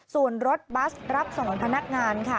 ส่วนรถบัสรับสอนพนักงานค่ะ